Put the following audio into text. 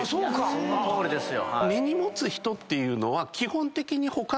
そのとおりですよ。